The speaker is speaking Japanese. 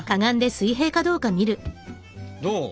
どう？